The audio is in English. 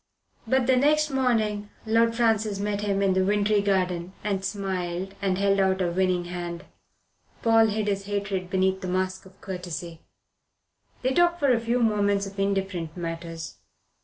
But the next morning Lord Francis met him in the wintry garden and smiled and held out a winning hand. Paul hid his hatred beneath the mask of courtesy. They talked for a few moments of indifferent matters.